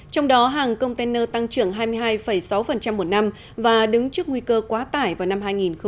trong đó hàng container tăng trưởng hai mươi hai sáu một năm và đứng trước nguy cơ quá tải vào năm hai nghìn hai mươi